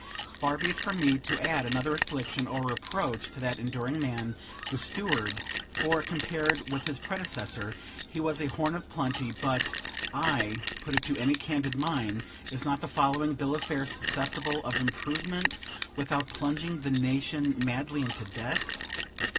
Far be it from me to add another affliction or reproach to that enduring man, the steward; for, compared with his predecessor, he was a horn of plenty; but I put it to any candid mind is not the following bill of fare susceptible of improvement, without plunging the nation madly into debt?